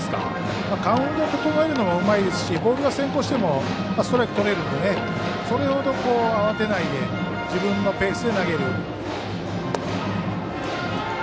カウントを整えるのもうまいですしボールが先行してもストライクとれるのでそれほど慌てないで自分のペースで投げる。